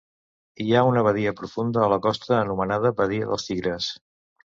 Hi ha una badia profunda a la costa anomenada Badia dels Tigres.